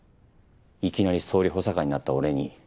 いきなり総理補佐官になった俺に。